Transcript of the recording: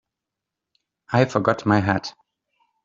I forgot my hat.